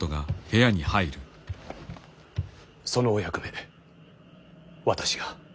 そのお役目私が。